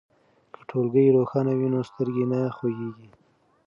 که ټولګی روښانه وي نو سترګې نه خوږیږي.